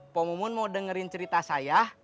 pemumun mau dengerin cerita saya